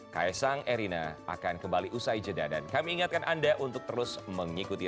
kaisang erina akan kembali usai jeda dan kami ingatkan anda untuk terus mengikuti